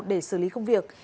để xử lý công việc